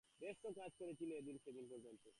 বেশ তো কাজ করছিলে এই সেদিন পর্যন্ত।